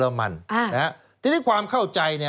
สวัสดีค่ะต้อนรับคุณบุษฎี